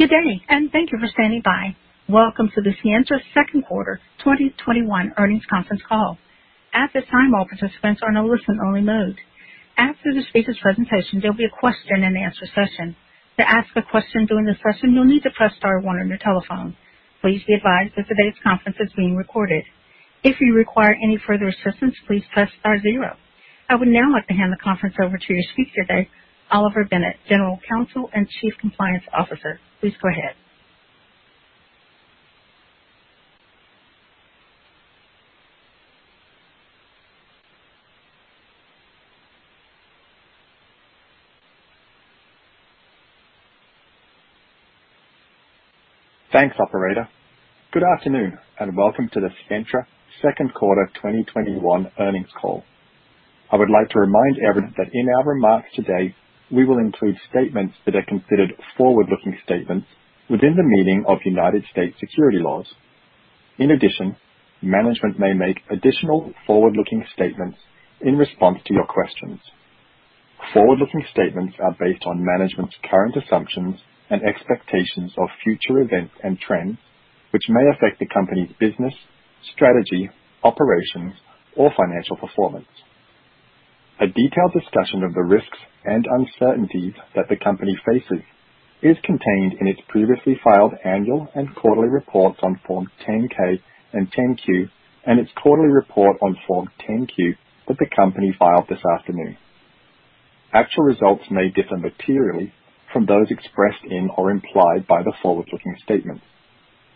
Good day, and thank you for standing by. Welcome to the Sientra Second Quarter 2021 Earnings Conference Call. At this time, all participants are in a listen-only mode. After the speakers' presentation, there'll be a question and answer session. To ask a question during the session, you'll need to press star one on your telephone. Please be advised that today's conference is being recorded. If you require any further assistance, please press star 0. I would now like to hand the conference over to your speaker today, Oliver Bennett, General Counsel and Chief Compliance Officer. Please go ahead. Thanks, operator. Good afternoon, and welcome to the Sientra Second Quarter 2021 Earnings Call. I would like to remind everyone that in our remarks today, we will include statements that are considered forward-looking statements within the meaning of United States security laws. In addition, management may make additional forward-looking statements in response to your questions. Forward-looking statements are based on management's current assumptions and expectations of future events and trends, which may affect the company's business, strategy, operations, or financial performance. A detailed discussion of the risks and uncertainties that the company faces is contained in its previously filed annual and quarterly reports on Form 10-K and 10-Q, and its quarterly report on Form 10-Q that the company filed this afternoon. Actual results may differ materially from those expressed in or implied by the forward-looking statement.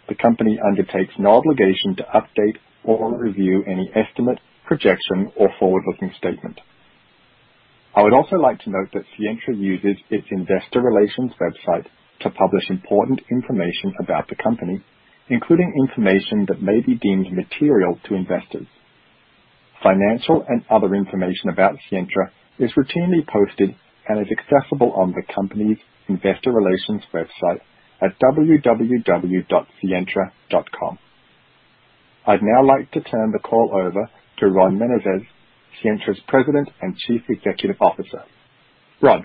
The company undertakes no obligation to update or review any estimate, projection, or forward-looking statement. I would also like to note that Sientra uses its investor relations website to publish important information about the company, including information that may be deemed material to investors. Financial and other information about Sientra is routinely posted and is accessible on the company's investor relations website at www.sientra.com. I'd now like to turn the call over to Ron Menezes, Sientra's President and Chief Executive Officer. Ron.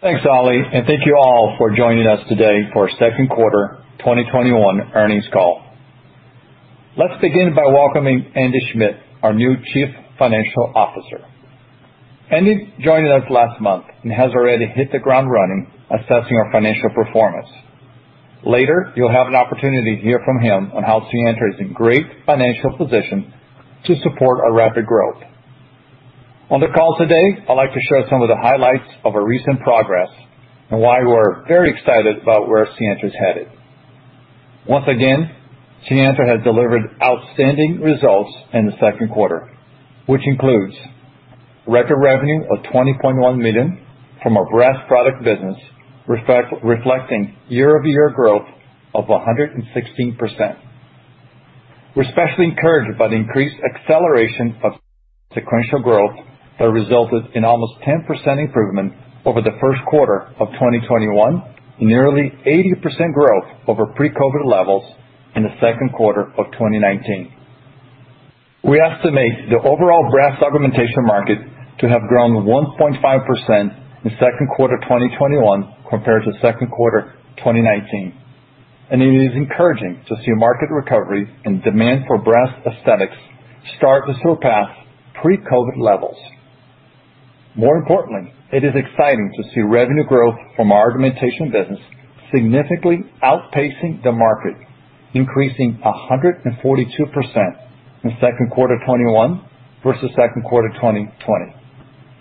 Thanks, Oli. Thank you all for joining us today for our second quarter 2021 earnings call. Let's begin by welcoming Andy Schmidt, our new Chief Financial Officer. Andy joined us last month and has already hit the ground running, assessing our financial performance. Later, you'll have an opportunity to hear from him on how Sientra is in great financial position to support our rapid growth. On the call today, I'd like to share some of the highlights of our recent progress and why we're very excited about where Sientra's headed. Once again, Sientra has delivered outstanding results in the second quarter, which includes record revenue of $20.1 million from our breast product business, reflecting year-over-year growth of 116%. We're especially encouraged by the increased acceleration of sequential growth that resulted in almost 10% improvement over the first quarter of 2021, nearly 80% growth over pre-COVID levels in the second quarter of 2019. We estimate the overall breast augmentation market to have grown 1.5% in second quarter 2021 compared to second quarter 2019. It is encouraging to see market recovery and demand for breast aesthetics start to surpass pre-COVID levels. More importantly, it is exciting to see revenue growth from our augmentation business significantly outpacing the market, increasing 142% in second quarter 2021 versus second quarter 2020,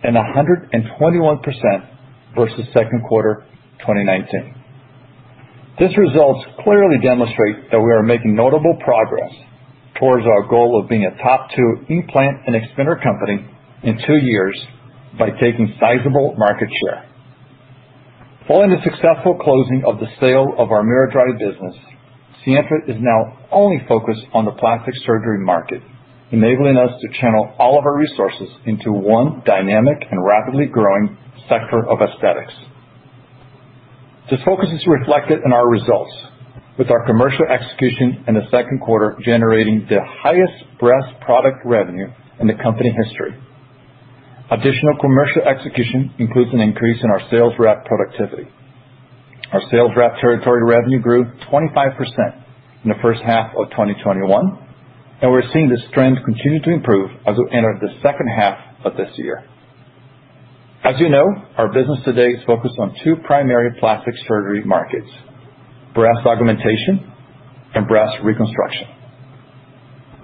and 121% versus second quarter 2019. These results clearly demonstrate that we are making notable progress towards our goal of being a top two implant and expander company in two years by taking sizable market share. Following the successful closing of the sale of our miraDry business, Sientra is now only focused on the plastic surgery market, enabling us to channel all of our resources into one dynamic and rapidly growing sector of aesthetics. This focus is reflected in our results, with our commercial execution in the second quarter generating the highest breast product revenue in the company history. Additional commercial execution includes an increase in our sales rep productivity. Our sales rep territory revenue grew 25% in the first half of 2021, and we're seeing this trend continue to improve as we enter the second half of this year. As you know, our business today is focused on two primary plastic surgery markets, breast augmentation and breast reconstruction.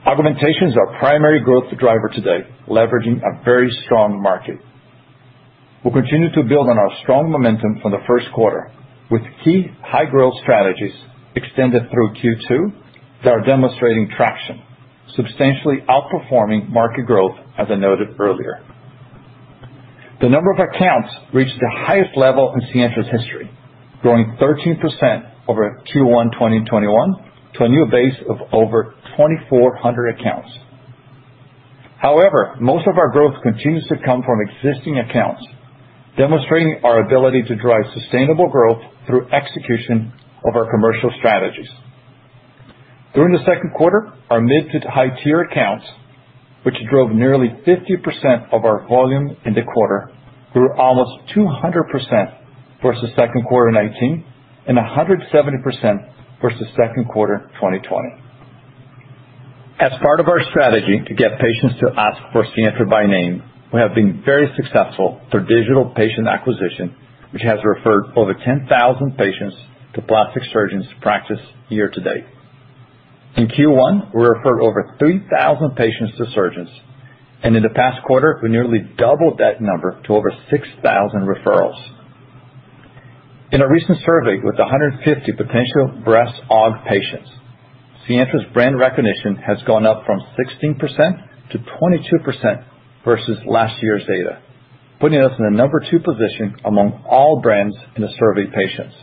Augmentation is our primary growth driver today, leveraging a very strong market. We'll continue to build on our strong momentum from the first quarter with key high-growth strategies extended through Q2 that are demonstrating traction, substantially outperforming market growth, as I noted earlier. The number of accounts reached the highest level in Sientra's history, growing 13% over Q1 2021 to a new base of over 2,400 accounts. However, most of our growth continues to come from existing accounts, demonstrating our ability to drive sustainable growth through execution of our commercial strategies. During the second quarter, our mid to high-tier accounts, which drove nearly 50% of our volume in the quarter, grew almost 200% versus second quarter 2019 and 170% versus second quarter 2020. As part of our strategy to get patients to ask for Sientra by name, we have been very successful through digital patient acquisition, which has referred over 10,000 patients to plastic surgeons' practice year to date. In Q1, we referred over 3,000 patients to surgeons. In the past quarter, we nearly doubled that number to over 6,000 referrals. In a recent survey with 150 potential breast aug patients, Sientra's brand recognition has gone up from 16%-22% versus last year's data, putting us in a number two position among all brands in the surveyed patients.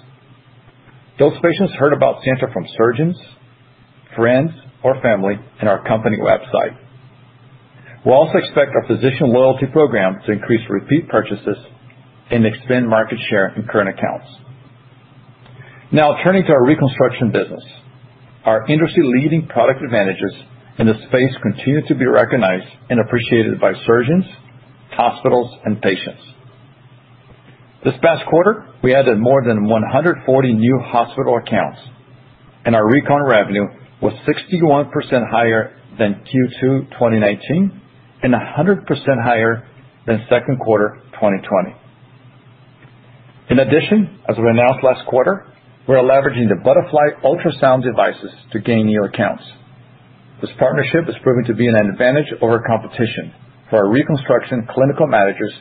Those patients heard about Sientra from surgeons, friends or family, our company website. We also expect our physician loyalty program to increase repeat purchases and expand market share in current accounts. Turning to our reconstruction business. Our industry-leading product advantages in this space continue to be recognized and appreciated by surgeons, hospitals, and patients. This past quarter, we added more than 140 new hospital accounts. Our recon revenue was 61% higher than Q2 2019 and 100% higher than second quarter 2020. As we announced last quarter, we're leveraging the Butterfly ultrasound devices to gain new accounts. This partnership has proven to be an advantage over competition for our reconstruction clinical managers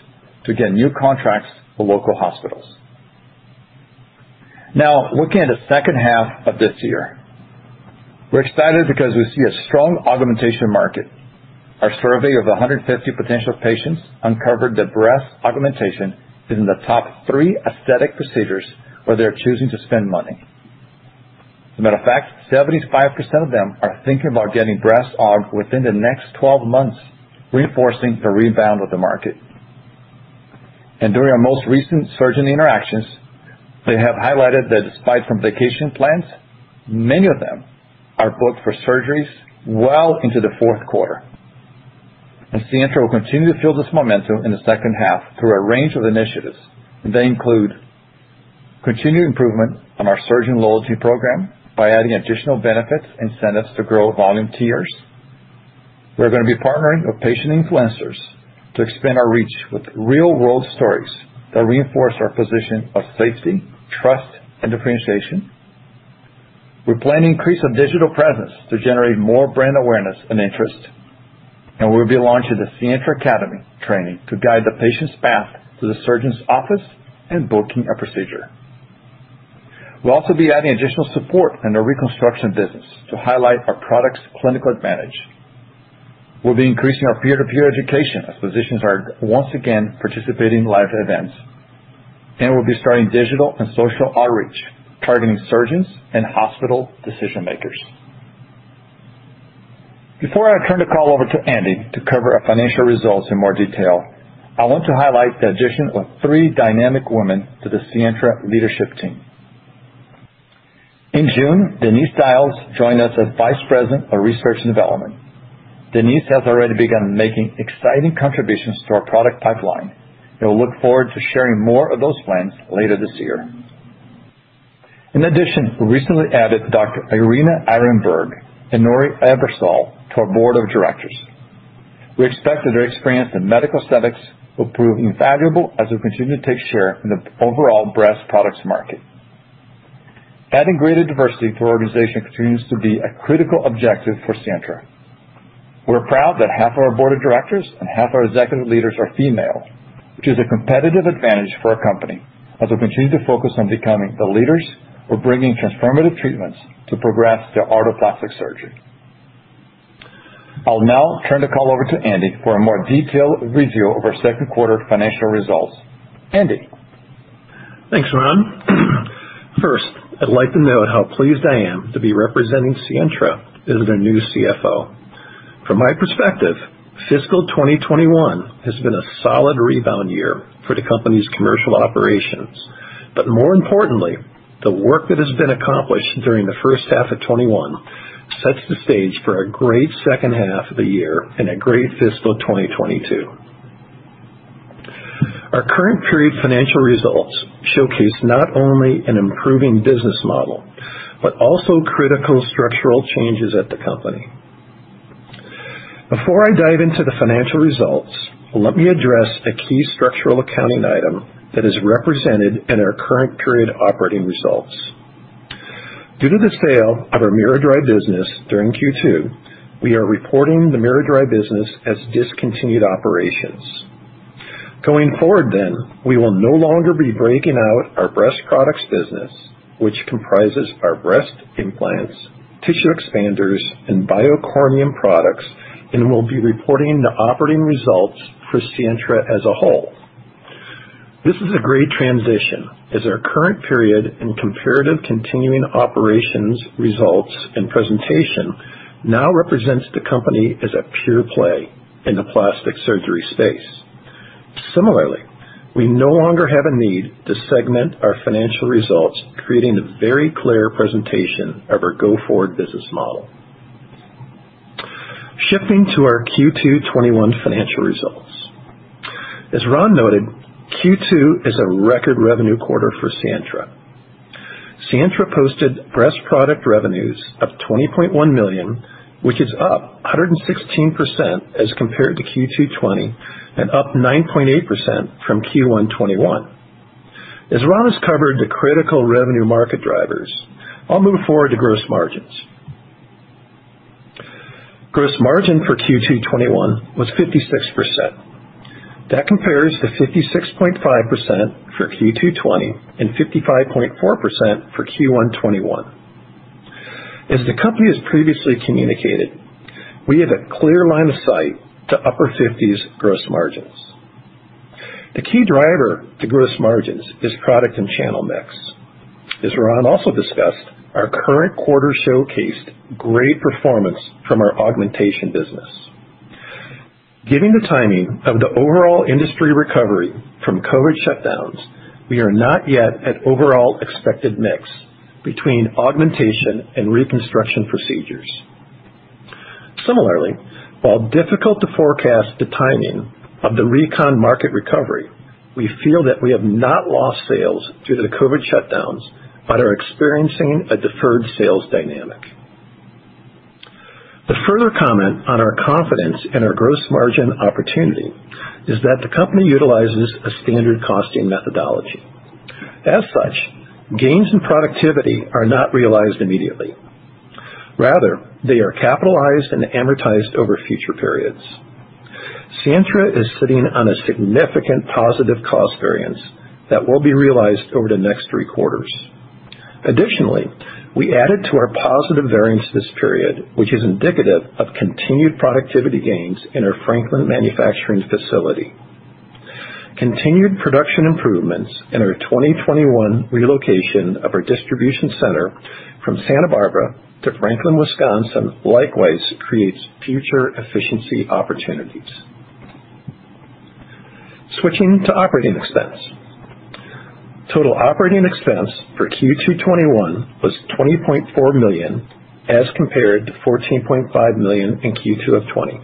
to get new contracts for local hospitals. Looking at the second half of this year, we're excited because we see a strong augmentation market. Our survey of 150 potential patients uncovered that breast augmentation is in the top three aesthetic procedures where they're choosing to spend money. As a matter of fact, 75% of them are thinking about getting breast aug within the next 12 months, reinforcing the rebound of the market. During our most recent surgeon interactions, they have highlighted that despite some vacation plans, many of them are booked for surgeries well into the fourth quarter. Sientra will continue to feel this momentum in the second half through a range of initiatives, and they include continued improvement on our surgeon loyalty program by adding additional benefits, incentives to grow volume tiers. We're going to be partnering with patient influencers to expand our reach with real-world stories that reinforce our position of safety, trust, and differentiation. We plan to increase our digital presence to generate more brand awareness and interest, and we'll be launching the Sientra Academy training to guide the patient's path to the surgeon's office and booking a procedure. We'll also be adding additional support in the reconstruction business to highlight our product's clinical advantage. We'll be increasing our peer-to-peer education as physicians are once again participating in live events. We'll be starting digital and social outreach targeting surgeons and hospital decision-makers. Before I turn the call over to Andy to cover our financial results in more detail, I want to highlight the addition of three dynamic women to the Sientra leadership team. In June, Denise Dajles joined us as vice president of research and development. Denise has already begun making exciting contributions to our product pipeline. We'll look forward to sharing more of those plans later this year. In addition, we recently added Dr. Irina Erenburg and Nori Ebersole to our board of directors. We expect that their experience in medical aesthetics will prove invaluable as we continue to take share in the overall breast products market. Adding greater diversity to our organization continues to be a critical objective for Sientra. We're proud that half of our board of directors and half our executive leaders are female, which is a competitive advantage for our company as we continue to focus on becoming the leaders for bringing transformative treatments to progress the art of plastic surgery. I'll now turn the call over to Andy for a more detailed review of our second quarter financial results. Andy? Thanks, Ron. First, I'd like to note how pleased I am to be representing Sientra as their new CFO. From my perspective fiscal 2021 has been a solid rebound year for the company's commercial operations. More importantly, the work that has been accomplished during the first half of 2021 sets the stage for a great second half of the year and a great fiscal 2022. Our current period financial results showcase not only an improving business model but also critical structural changes at the company. Before I dive into the financial results, let me address a key structural accounting item that is represented in our current period operating results. Due to the sale of our miraDry business during Q2, we are reporting the miraDry business as discontinued operations. Going forward, we will no longer be breaking out our breast products business, which comprises our breast implants, tissue expanders, and BIOCORNEUM products, and we'll be reporting the operating results for Sientra as a whole. This is a great transition as our current period and comparative continuing operations results and presentation now represents the company as a pure play in the plastic surgery space. Similarly, we no longer have a need to segment our financial results, creating a very clear presentation of our go-forward business model. Shifting to our Q2 2021 financial results. As Ron noted, Q2 is a record revenue quarter for Sientra. Sientra posted breast product revenues of $20.1 million, which is up 116% as compared to Q2 2020, and up 9.8% from Q1 2021. As Ron has covered the critical revenue market drivers, I'll move forward to gross margins. Gross margin for Q2 2021 was 56%. That compares to 56.5% for Q2 2020, and 55.4% for Q1 2021. As the company has previously communicated, we have a clear line of sight to upper 50s% gross margins. The key driver to gross margins is product and channel mix. As Ron also discussed, our current quarter showcased great performance from our augmentation business. Given the timing of the overall industry recovery from COVID shutdowns, we are not yet at overall expected mix between augmentation and reconstruction procedures. Similarly, while difficult to forecast the timing of the recon market recovery, we feel that we have not lost sales due to the COVID shutdowns, but are experiencing a deferred sales dynamic. To further comment on our confidence in our gross margin opportunity is that the company utilizes a standard costing methodology. As such, gains in productivity are not realized immediately. Rather, they are capitalized and amortized over future periods. Sientra is sitting on a significant positive cost variance that will be realized over the next three quarters. Additionally, we added to our positive variance this period, which is indicative of continued productivity gains in our Franklin manufacturing facility. Continued production improvements in our 2021 relocation of our distribution center from Santa Barbara to Franklin, Wisconsin, likewise creates future efficiency opportunities. Switching to operating expense. Total operating expense for Q2 2021 was $20.4 million, as compared to $14.5 million in Q2 2020.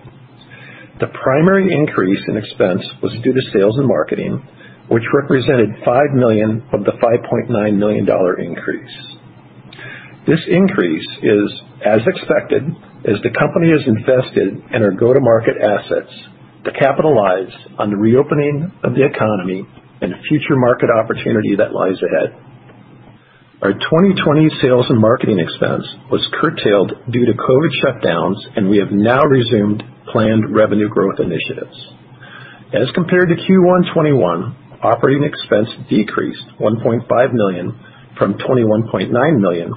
The primary increase in expense was due to sales and marketing, which represented $5 million of the $5.9 million increase. This increase is as expected, as the company has invested in our go-to-market assets to capitalize on the reopening of the economy and future market opportunity that lies ahead. Our 2020 sales and marketing expense was curtailed due to COVID shutdowns. We have now resumed planned revenue growth initiatives. As compared to Q1 2021, operating expense decreased $1.5 million from $21.9 million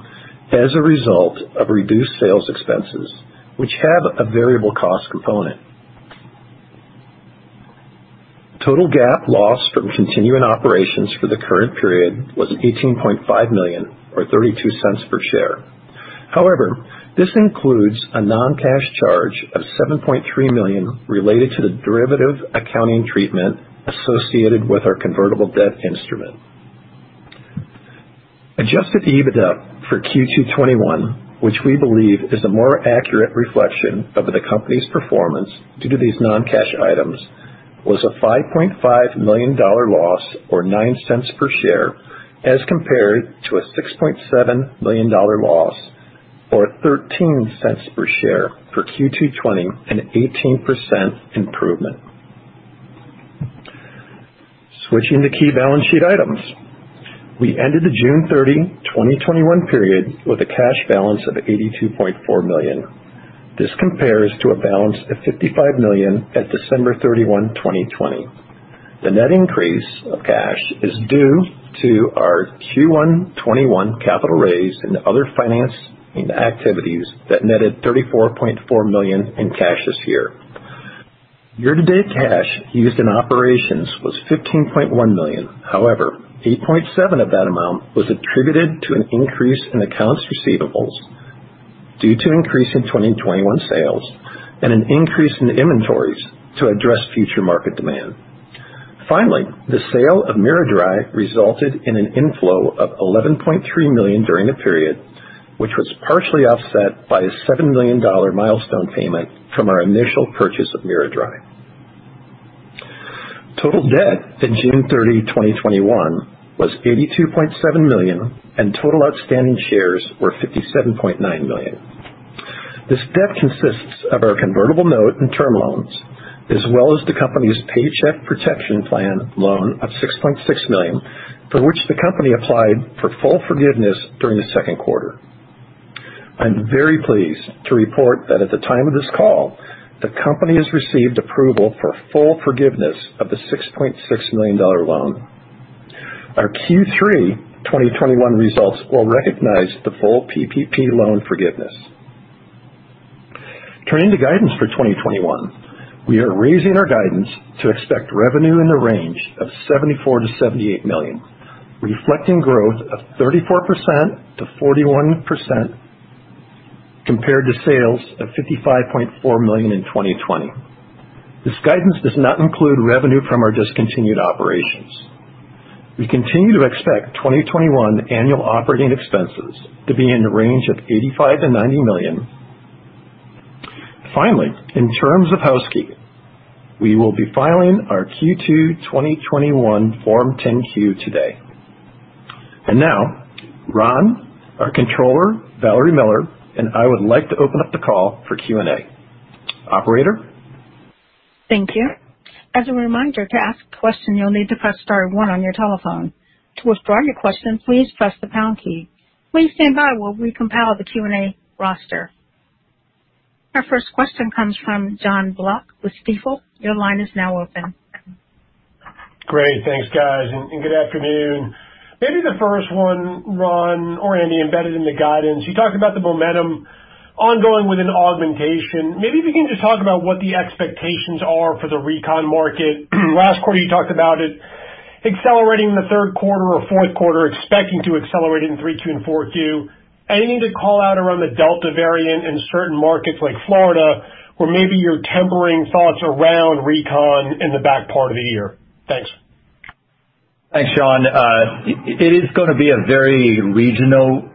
as a result of reduced sales expenses, which have a variable cost component. Total GAAP loss from continuing operations for the current period was $18.5 million or $0.32 per share. This includes a non-cash charge of $7.3 million related to the derivative accounting treatment associated with our convertible debt instrument. Adjusted EBITDA for Q2 2021, which we believe is a more accurate reflection of the company's performance due to these non-cash items, was a $5.5 million loss or $0.09 per share as compared to a $6.7 million loss or $0.13 per share for Q2 2020, an 18% improvement. Switching to key balance sheet items. We ended the June 30, 2021 period with a cash balance of $82.4 million. This compares to a balance of $55 million at December 31, 2020. The net increase of cash is due to our Q1 2021 capital raise and other financing activities that netted $34.4 million in cash this year. Year-to-date cash used in operations was $15.1 million. However, $8.7 million of that amount was attributed to an increase in accounts receivables due to increase in 2021 sales and an increase in inventories to address future market demand. Finally, the sale of miraDry resulted in an inflow of $11.3 million during the period, which was partially offset by a $7 million milestone payment from our initial purchase of miraDry. Total debt at June 30, 2021 was $82.7 million, and total outstanding shares were 57.9 million. This debt consists of our convertible note and term loans, as well as the company's Paycheck Protection Program loan of $6.6 million, for which the company applied for full forgiveness during the second quarter. I'm very pleased to report that at the time of this call, the company has received approval for full forgiveness of the $6.6 million loan. Our Q3 2021 results will recognize the full PPP loan forgiveness. Turning to guidance for 2021. We are raising our guidance to expect revenue in the range of $74 million-$78 million, reflecting growth of 34%-41% compared to sales of $55.4 million in 2020. This guidance does not include revenue from our discontinued operations. We continue to expect 2021 annual operating expenses to be in the range of $85 million-$90 million. Finally, in terms of housekeeping, we will be filing our Q2 2021 Form 10-Q today. Now, Ron, our controller, Valerie Miller, and I would like to open up the call for Q&A. Operator? Thank you. As a reminder, to ask a question, you'll need to press star one on your telephone. To withdraw your question, please press the pound key. Please stand by while we compile the Q&A roster. Our first question comes from Jon Block with Stifel. Your line is now open. Great. Thanks, guys, and good afternoon. Maybe the first one, Ron or Andy, embedded in the guidance, you talked about the momentum ongoing with an augmentation. Maybe if you can just talk about what the expectations are for the recon market. Last quarter, you talked about it accelerating in the third quarter or fourth quarter, expecting to accelerate in 3Q and 4Q. Anything to call out around the Delta variant in certain markets like Florida, where maybe you're tempering thoughts around recon in the back part of the year? Thanks. Thanks, Jon. It is going to be a very regional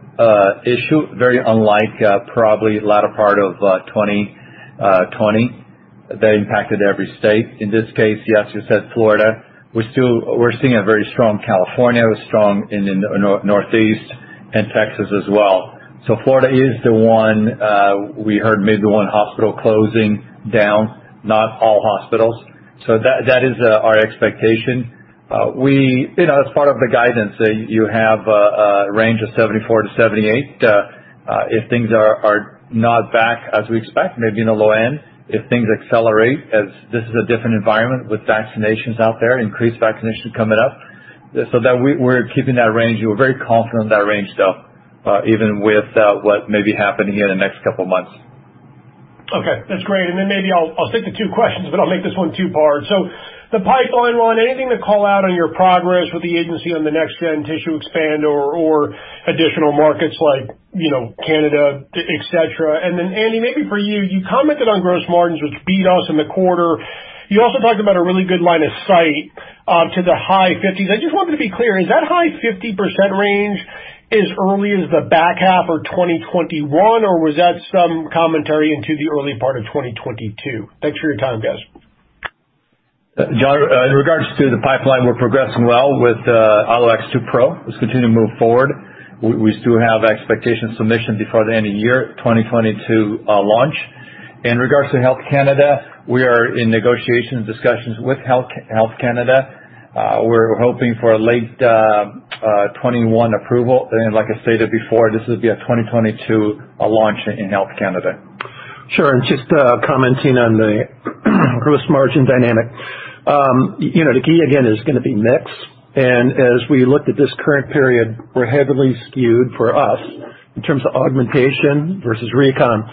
issue, very unlike probably latter part of 2020 that impacted every state. In this case, yes, you said Florida. We're seeing a very strong California, strong in the Northeast and Texas as well. Florida is the one, we heard maybe one hospital closing down, not all hospitals. That is our expectation. As part of the guidance, you have a range of 74-78. If things are not back as we expect, maybe in the low end. If things accelerate as this is a different environment with vaccinations out there, increased vaccinations coming up, so that we're keeping that range. We're very confident in that range still, even with what may be happening here in the next couple of months. Okay, that's great. Maybe I'll stick to two questions, but I'll make this one two-part. The pipeline, Ron, anything to call out on your progress with the agency on the nextgen tissue expander or additional markets like Canada, et cetera? Andy, maybe for you commented on gross margins, which beat us in the quarter. You also talked about a really good line of sight to the high 50%. I just wanted to be clear, is that high 50% range as early as the back half of 2021? Was that some commentary into the early part of 2022? Thanks for your time, guys. Jon, in regards to the pipeline, we're progressing well with AlloX2 Pro. It's continuing to move forward. We still have expectation submission before the end of year 2020 to launch. In regards to Health Canada, we are in negotiation discussions with Health Canada. We're hoping for a late 2021 approval. Like I stated before, this will be a 2022 launch in Health Canada. Sure. Just commenting on the gross margin dynamic. The key again is going to be mix, and as we looked at this current period, we're heavily skewed for us in terms of augmentation versus recon.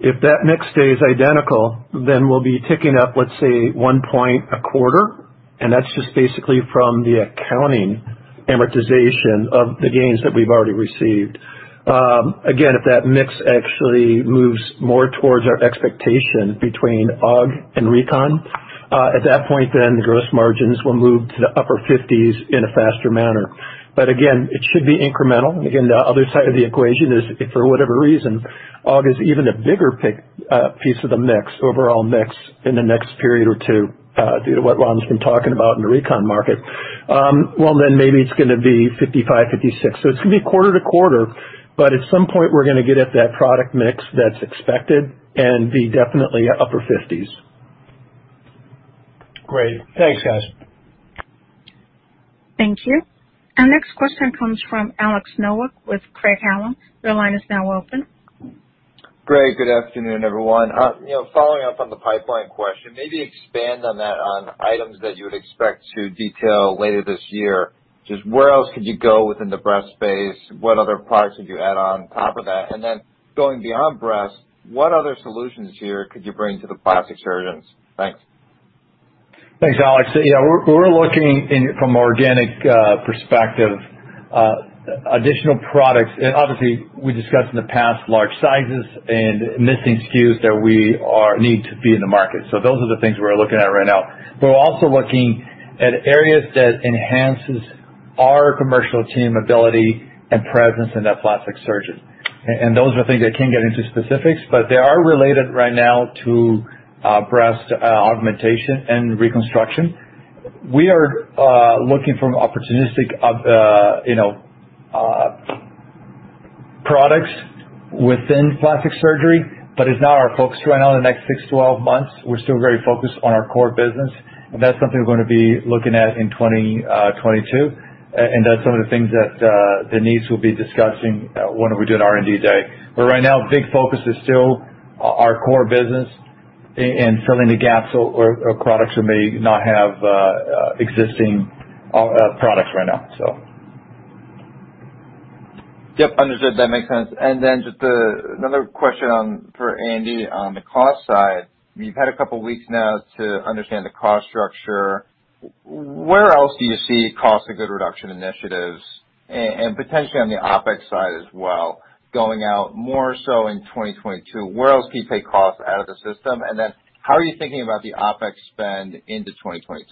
If that mix stays identical, we'll be ticking up, let's say, one point a quarter, that's just basically from the accounting amortization of the gains that we've already received. Again, if that mix actually moves more towards our expectation between aug and recon, at that point the gross margins will move to the upper 50s% in a faster manner. Again, it should be incremental. Again, the other side of the equation is if for whatever reason, aug is even a bigger piece of the overall mix in the next period or two due to what Ron has been talking about in the recon market, well, then maybe it's going to be 55%, 56%. It's going to be quarter-to-quarter, but at some point, we're going to get at that product mix that's expected and be definitely upper 50s%. Great. Thanks, guys. Thank you. Our next question comes from Alex Nowak with Craig-Hallum. Your line is now open. Great. Good afternoon, everyone. Following up on the pipeline question, maybe expand on that on items that you would expect to detail later this year. Just where else could you go within the breast space? What other products could you add on top of that? Then going beyond breast, what other solutions here could you bring to the plastic surgeons? Thanks. Thanks, Alex. Yeah, we're looking in from organic perspective, additional products. Obviously, we discussed in the past large sizes and missing SKUs that we need to be in the market. Those are the things we're looking at right now. We're also looking at areas that enhances our commercial team ability and presence in that plastic surgeon. Those are things I can't get into specifics, but they are related right now to breast augmentation and reconstruction. We are looking from opportunistic products within plastic surgery, but it's not our focus right now in the next six, 12 months. We're still very focused on our core business, and that's something we're going to be looking at in 2022. That's some of the things that Denise will be discussing when we do an R&D day. Right now, big focus is still our core business and filling the gaps or products that may not have existing products right now. Yep, understood. That makes sense. Just another question for Andy on the cost side. You've had a couple of weeks now to understand the cost structure. Where else do you see cost of goods reduction initiatives and potentially on the OpEx side as well, going out more so in 2022? Where else can you take costs out of the system? How are you thinking about the OpEx spend into 2022?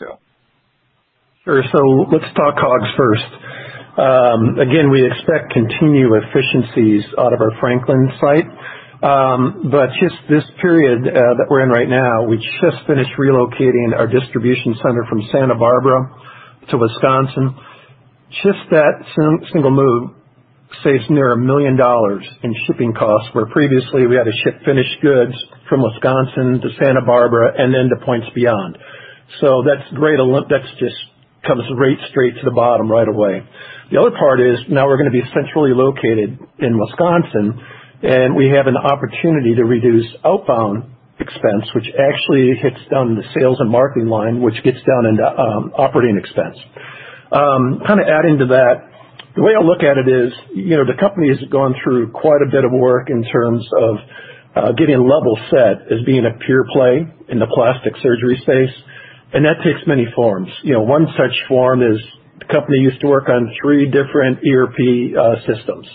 Sure. Let's talk COGS first. We expect continued efficiencies out of our Franklin site. Just this period that we're in right now, we just finished relocating our distribution center from Santa Barbara to Wisconsin. Just that single move saves near a million dollars in shipping costs, where previously we had to ship finished goods from Wisconsin to Santa Barbara, and then to points beyond. That just comes right straight to the bottom right away. The other part is now we're going to be centrally located in Wisconsin, and we have an opportunity to reduce outbound expense, which actually hits down the sales and marketing line, which gets down into operating expense. Kind of adding to that, the way I look at it is the company has gone through quite a bit of work in terms of getting level set as being a pure play in the plastic surgery space. That takes many forms. One such form is the company used to work on three different ERP systems.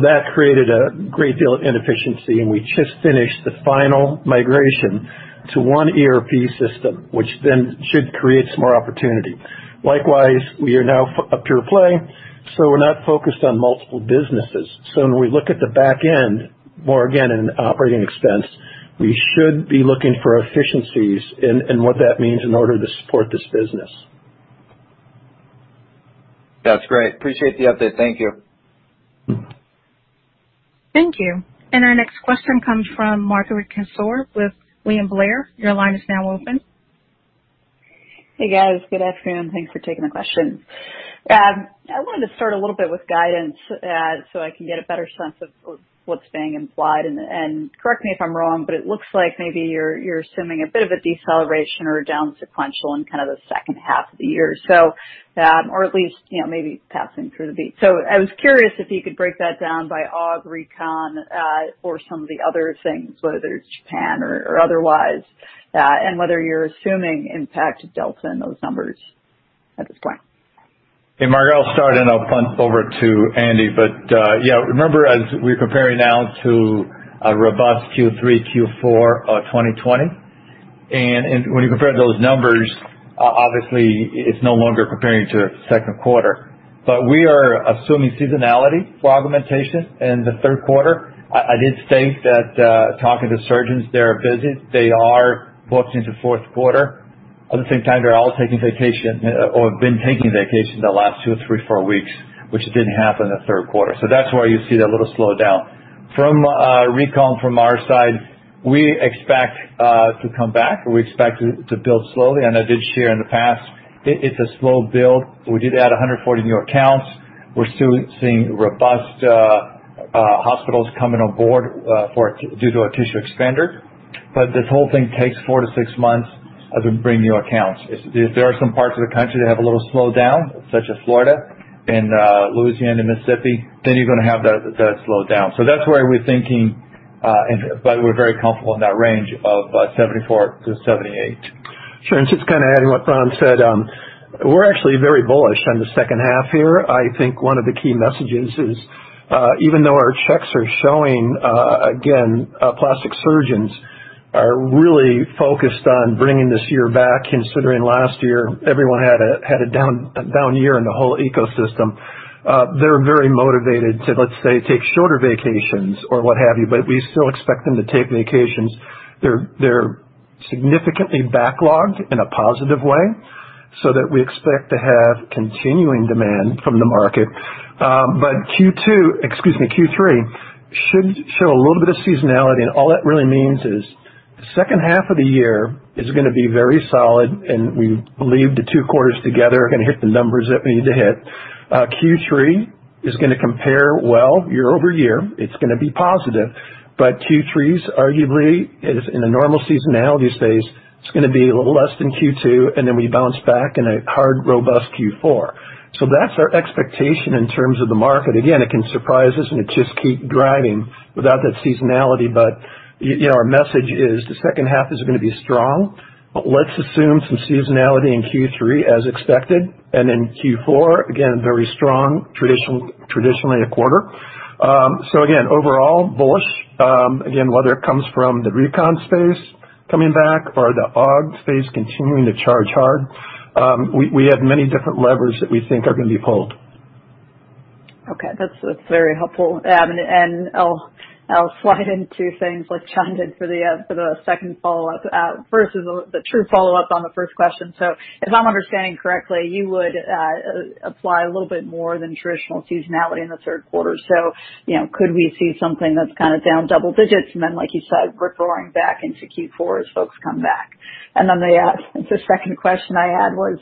That created a great deal of inefficiency, and we just finished the final migration to one ERP system, which should create some more opportunity. Likewise, we are now a pure play. We're not focused on multiple businesses. When we look at the back end, or again, in operating expense, we should be looking for efficiencies and what that means in order to support this business. That's great. Appreciate the update. Thank you. Thank you. Our next question comes from Margaret Kaczor with William Blair. Your line is now open. Hey, guys. Good afternoon. Thanks for taking the question. I wanted to start a little bit with guidance so I can get a better sense of what's being implied. Correct me if I'm wrong, but it looks like maybe you're assuming a bit of a deceleration or a down sequential in kind of the second half of the year. At least maybe passing through the beat. I was curious if you could break that down by aug, recon, or some of the other things, whether it's Japan or otherwise, and whether you're assuming impact delta in those numbers at this point. Hey, Margo, I'll start and I'll punt over to Andy. Remember, as we're comparing now to a robust Q3, Q4 of 2020. When you compare those numbers, obviously it's no longer comparing to second quarter. We are assuming seasonality for augmentation in the third quarter. I did state that talking to surgeons, they are busy. They are booked into fourth quarter. At the same time, they're all taking vacation or have been taking vacation the last two or three, four weeks, which didn't happen in the third quarter. That's why you see that little slowdown. From recon from our side, we expect to come back, or we expect to build slowly. I did share in the past, it's a slow build. We did add 140 new accounts. We're still seeing robust hospitals coming on board due to our tissue expander. This whole thing takes four to six months as we bring new accounts. There are some parts of the country that have a little slowdown, such as Florida and Louisiana, Mississippi, then you're going to have that slowdown. That's why we're thinking, but we're very comfortable in that range of 74-78. Sure. Just kind of adding what Ron said, we're actually very bullish on the second half here. I think one of the key messages is even though our checks are showing, again, plastic surgeons are really focused on bringing this year back, considering last year everyone had a down year in the whole ecosystem. They're very motivated to, let's say, take shorter vacations or what have you, but we still expect them to take vacations. They're significantly backlogged in a positive way so that we expect to have continuing demand from the market. Q2, excuse me, Q3 should show a little bit of seasonality, and all that really means is the second half of the year is going to be very solid, and we believe the two quarters together are going to hit the numbers that we need to hit. Q3 is going to compare well year-over-year. It's going to be positive. Q3 is arguably in a normal seasonality space. It's going to be a little less than Q2, and then we bounce back in a hard, robust Q4. That's our expectation in terms of the market. Again, it can surprise us and it just keep driving without that seasonality. Our message is the second half is going to be strong. Let's assume some seasonality in Q3 as expected. Q4, again, very strong, traditionally a quarter. Again, overall bullish. Again, whether it comes from the recon space coming back or the aug space continuing to charge hard. We have many different levers that we think are going to be pulled. Okay. That's very helpful. I'll slide into things like Jon did for the second follow-up. First is the true follow-up on the first question. If I'm understanding correctly, you would apply a little bit more than traditional seasonality in the third quarter. Could we see something that's kind of down double digits and then, like you said, recovering back into Q4 as folks come back? The second question I had was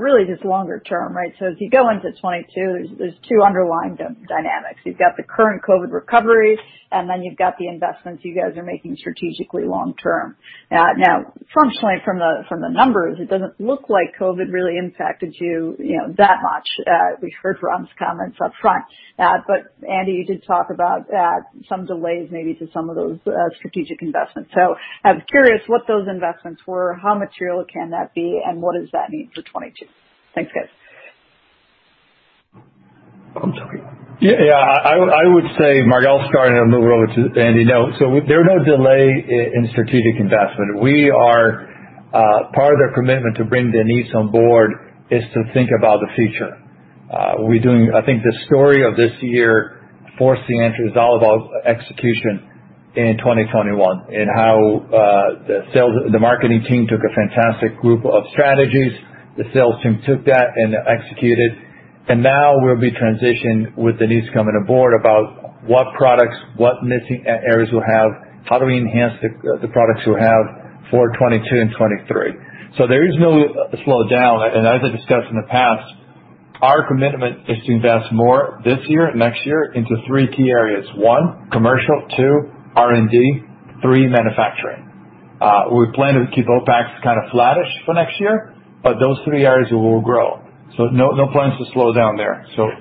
really just longer term, right? As you go into 2022, there's two underlying dynamics. You've got the current COVID recovery, and then you've got the investments you guys are making strategically long term. Functionally, from the numbers, it doesn't look like COVID really impacted you that much. We heard Ron's comments up front. Andy, you did talk about some delays maybe to some of those strategic investments. I was curious what those investments were, how material can that be, and what does that mean for 2022? Thanks, guys. I would say, [inaudible] starting to move over to Andy. There are no delays in strategic investment. Part of their commitment to bring Denise on board is to think about the future. I think the story of this year for Sientra is all about execution in 2021, and how the marketing team took a fantastic group of strategies. The sales team took that and executed, and now we'll be transitioned with Denise coming aboard about what products, what missing areas we'll have, how do we enhance the products we have for 2022 and 2023. There is no slowdown, and as I discussed in the past, our commitment is to invest more this year and next year into three key areas. one, commercial, two, R&D, three, manufacturing. We plan to keep OpEx kind of flattish for next year, but those three areas will grow. No plans to slow down there. Sure.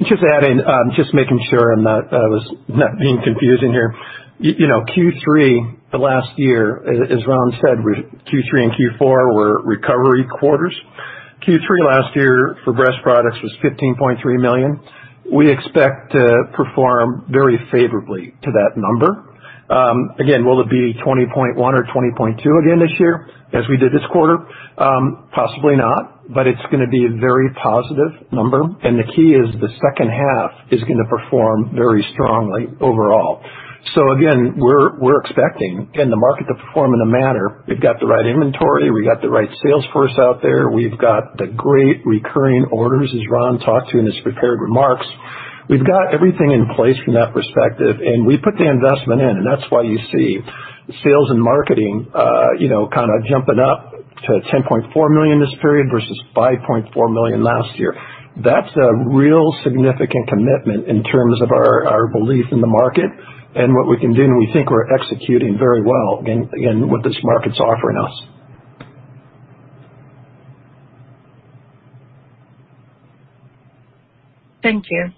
Just to add in, just making sure I was not being confusing here. Q3 last year, as Ron said, Q3 and Q4 were recovery quarters. Q3 last year for breast products was $15.3 million. We expect to perform very favorably to that number. Again, will it be $20.1 million or $20.2 million again this year as we did this quarter? Possibly not, it's going to be a very positive number, and the key is the second half is going to perform very strongly overall. Again, we're expecting the market to perform in a manner. We've got the right inventory. We've got the right sales force out there. We've got the great recurring orders, as Ron talked to in his prepared remarks. We've got everything in place from that perspective, and we put the investment in, and that's why you see sales and marketing kind of jumping up to $10.4 million this period versus $5.4 million last year. That's a real significant commitment in terms of our belief in the market and what we can do, and we think we're executing very well in what this market's offering us. Thank you.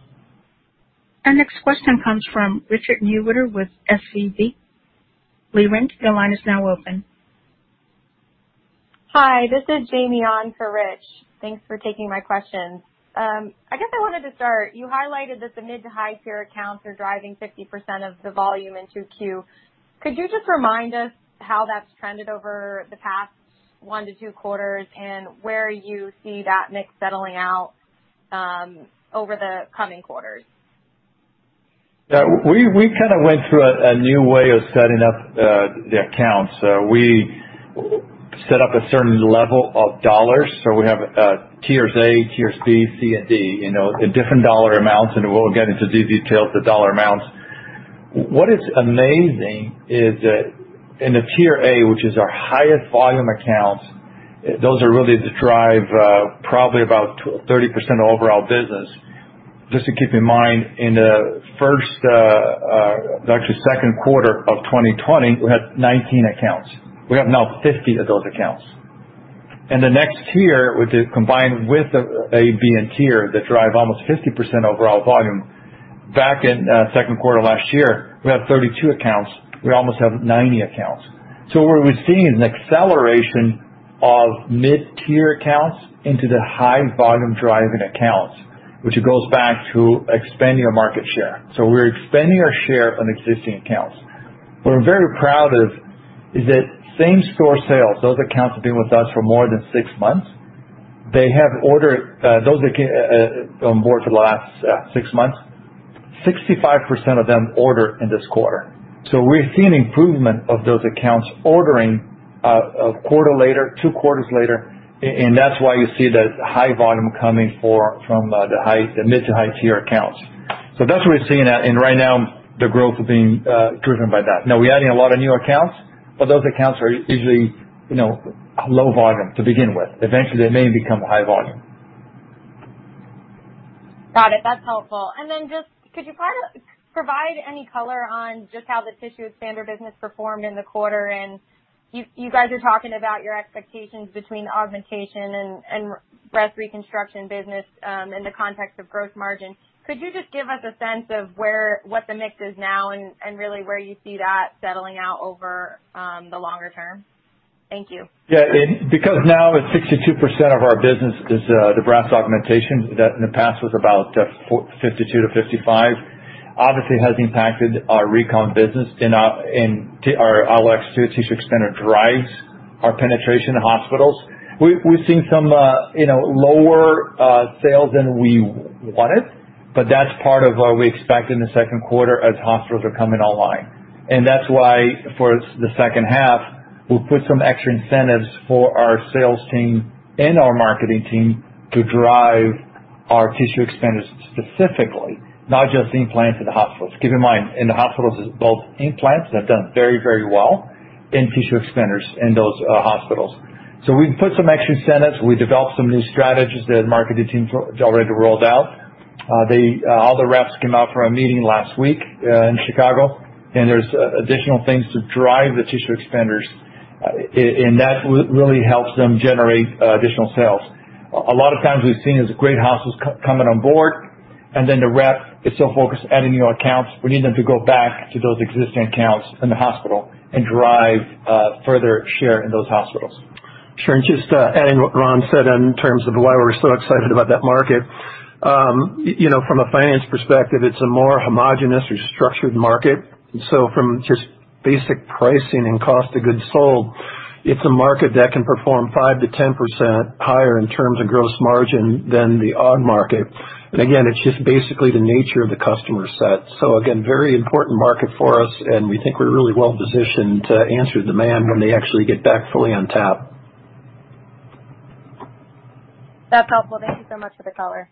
Our next question comes from Richard Newitter with SVB. Lauren, your line is now open. Hi, this is Jamie on for Rich. Thanks for taking my questions. I guess I wanted to start, you highlighted that the mid to high-tier accounts are driving 50% of the volume in 2Q. Could you just remind us how that's trended over the past one to two quarters, and where you see that mix settling out over the coming quarters? Yeah. We kind of went through a new way of setting up the accounts. We set up a certain level of dollars. We have tiers A, tiers B, C, and D, in different dollar amounts, and we won't get into the details of dollar amounts. What is amazing is that in the tier A, which is our highest volume accounts, those really drive probably about 30% of overall business. Just to keep in mind, in the second quarter of 2020, we had 19 accounts. We have now 50 of those accounts. The next tier, which is combined with A, B, and tier that drive almost 50% overall volume, back in second quarter last year, we had 32 accounts. We almost have 90 accounts. What we're seeing is an acceleration of mid-tier accounts into the high-volume driving accounts, which goes back to expanding our market share. We're expanding our share on existing accounts. What we're very proud of is that same store sales, those accounts have been with us for more than six months. Those that came on board for the last six months, 65% of them ordered in this quarter. We're seeing improvement of those accounts ordering a quarter later, two quarters later, and that's why you see the high volume coming from the mid to high-tier accounts. That's what we're seeing, and right now, the growth is being driven by that. Now, we're adding a lot of new accounts, but those accounts are usually low volume to begin with. Eventually, they may become high volume. Got it. That's helpful. Could you provide any color on just how the tissue expander business performed in the quarter? You guys are talking about your expectations between the augmentation and breast reconstruction business in the context of gross margin. Could you just give us a sense of what the mix is now and really where you see that settling out over the longer term? Thank you. Yeah. Now 62% of our business is the breast augmentation, that in the past was about 52%-55%, obviously has impacted our recon business and our AlloX2 tissue expander drives our penetration in hospitals. We've seen some lower sales than we wanted, that's part of what we expect in the second quarter as hospitals are coming online. That's why for the second half, we'll put some extra incentives for our sales team and our marketing team to drive our tissue expanders specifically, not just implants in the hospitals. Keep in mind, in the hospitals, it's both implants, that have done very well, and tissue expanders in those hospitals. We've put some extra incentives. We developed some new strategies. The marketing team's already rolled out. All the reps came out for a meeting last week in Chicago. There's additional things to drive the tissue expanders. That really helps them generate additional sales. A lot of times we've seen these great hospitals coming on board. The rep is so focused adding new accounts. We need them to go back to those existing accounts in the hospital and drive further share in those hospitals. Sure. Just adding what Ron said in terms of why we're so excited about that market. From a finance perspective, it's a more homogeneous, restructured market. From just basic pricing and cost of goods sold, it's a market that can perform 5%-10% higher in terms of gross margin than the other market. Again, it's just basically the nature of the customer set. Again, very important market for us, and we think we're really well-positioned to answer demand when they actually get back fully on tap. That's helpful. Thank you so much for the color.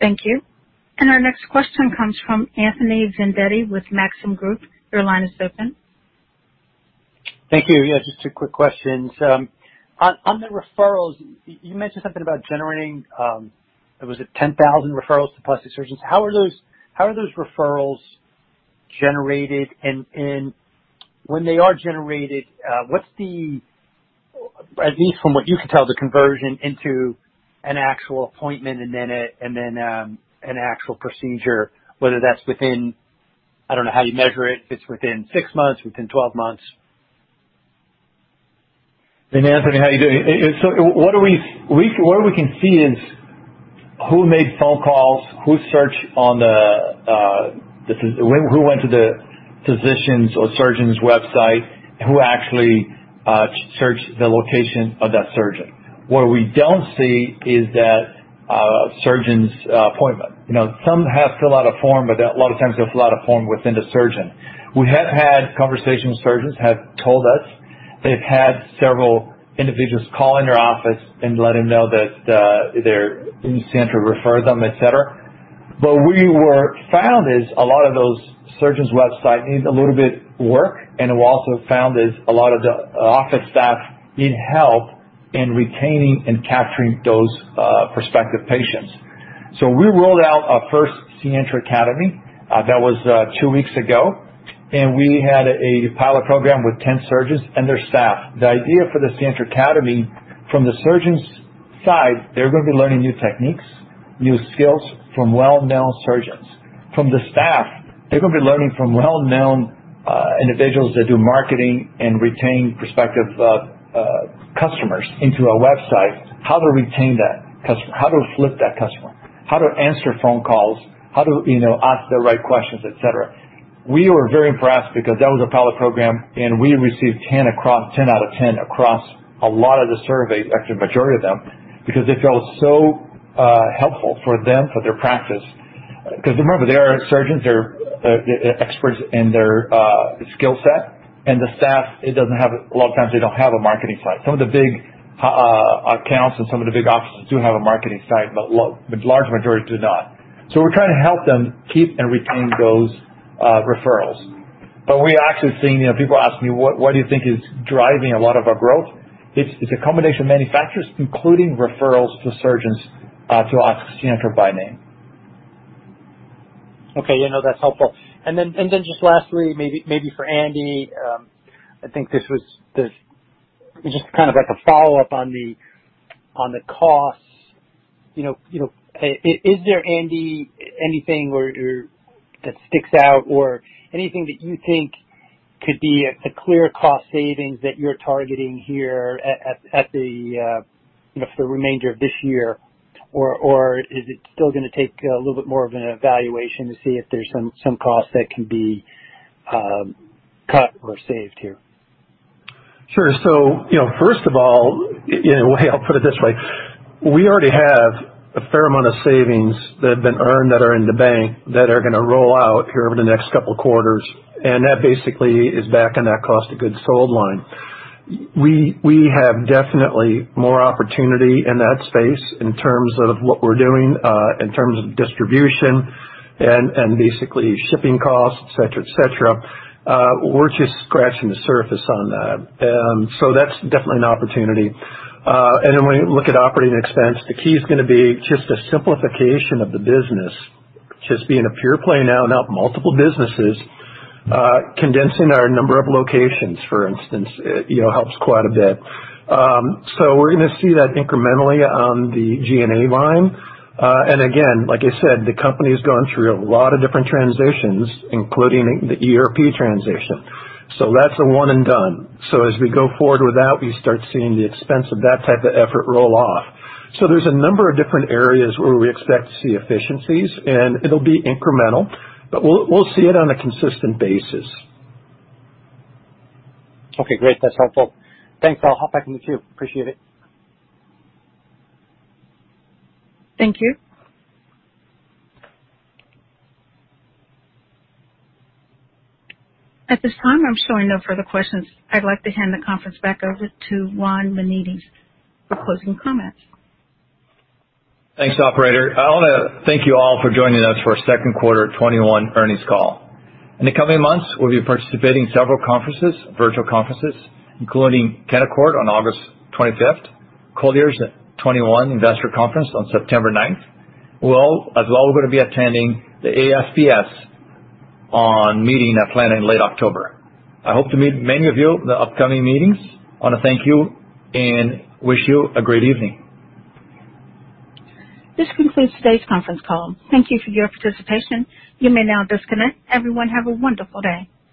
Thank you. Our next question comes from Anthony Vendetti with Maxim Group. Your line is open. Thank you. Yes, just two quick questions. On the referrals, you mentioned something about generating, was it 10,000 referrals to plastic surgeons? How are those referrals generated? When they are generated, what's the, at least from what you can tell, the conversion into an actual appointment and then an actual procedure, whether that's within, I don't know how you measure it, if it's within six months, within 12 months. Hey, Anthony, how are you doing? What we can see is who made phone calls, who went to the physician's or surgeon's website, who actually searched the location of that surgeon. What we don't see is that surgeon's appointment. Some have to fill out a form, but a lot of times, they'll fill out a form within the surgeon. We have had conversations. Surgeons have told us they've had several individuals call in their office and let them know that their Sientra referred them, et cetera. We found is a lot of those surgeons' website need a little bit work, and we also found is a lot of the office staff need help in retaining and capturing those prospective patients. We rolled out our first Sientra Academy. That was two weeks ago, and we had a pilot program with 10 surgeons and their staff. The idea for the Sientra Academy, from the surgeons' side, they're going to be learning new techniques, new skills from well-known surgeons. From the staff, they're going to be learning from well-known individuals that do marketing and retain prospective customers into a website, how to retain that customer, how to flip that customer, how to answer phone calls, how to ask the right questions, et cetera. We were very impressed because that was a pilot program, and we received 10 out of 10 across a lot of the surveys, actually, majority of them, because they felt so helpful for them, for their practice. Because remember, they are surgeons. They're experts in their skill set. The staff, a lot of times, they don't have a marketing side. Some of the big accounts and some of the big offices do have a marketing side, large majority do not. We're trying to help them keep and retain those referrals. We're actually seeing, people ask me, "What do you think is driving a lot of our growth?" It's a combination of manufacturers, including referrals to surgeons to ask for Sientra by name. Okay. That's helpful. Lastly, maybe for Andy, I think this is just kind of like a follow-up on the costs. Is there, Andy, anything that sticks out or anything that you think could be a clear cost savings that you're targeting here for the remainder of this year? Is it still going to take a little bit more of an evaluation to see if there's some costs that can be cut or saved here? Sure. First of all, I'll put it this way. We already have a fair amount of savings that have been earned that are in the bank that are going to roll out here over the next couple of quarters, and that basically is back on that cost of goods sold line. We have definitely more opportunity in that space in terms of what we're doing, in terms of distribution and basically shipping costs, et cetera. We're just scratching the surface on that. That's definitely an opportunity. When you look at operating expense, the key is going to be just a simplification of the business. Just being a pure play now, not multiple businesses, condensing our number of locations, for instance, helps quite a bit. We're going to see that incrementally on the G&A line. Again, like I said, the company has gone through a lot of different transitions, including the ERP transition. That's a one and done. As we go forward with that, we start seeing the expense of that type of effort roll off. There's a number of different areas where we expect to see efficiencies, and it'll be incremental, but we'll see it on a consistent basis. Okay, great. That's helpful. Thanks. I'll hop back in the queue. Appreciate it. Thank you. At this time, I'm showing no further questions. I'd like to hand the conference back over to Ron Menezes for closing comments. Thanks, operator. I want to thank you all for joining us for our second quarter 2021 earnings call. In the coming months, we'll be participating in several conferences, virtual conferences, including Canaccord on August 25th, Colliers Securities 2021 Investor Conference on September 9th. We're also going to be attending the ASPS meeting planned in late October. I hope to meet many of you in the upcoming meetings. I want to thank you and wish you a great evening. This concludes today's conference call. Thank you for your participation. You may now disconnect. Everyone, have a wonderful day.